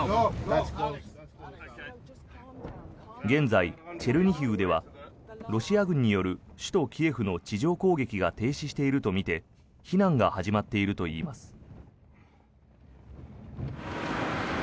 現在、チェルニヒウではロシア軍による首都キエフの地上攻撃が停止しているとみて避難が始まっているといいます。